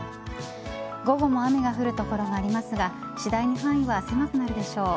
午後も雨が降る所がありますが次第に範囲は狭くなるでしょう。